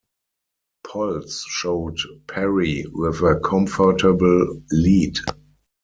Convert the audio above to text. Polls showed Perry with a comfortable lead.